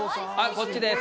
こっちです